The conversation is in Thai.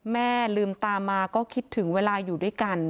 ลืมตามาก็คิดถึงเวลาอยู่ด้วยกัน